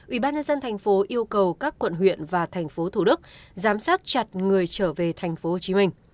ubnd tp hcm yêu cầu các quận huyện và thành phố thủ đức giám sát chặt người trở về tp hcm